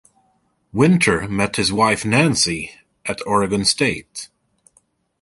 Winter met his wife Nancy at Oregon State.